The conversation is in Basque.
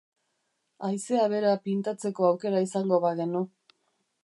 Haizea bera pintatzeko aukera izango bagenu.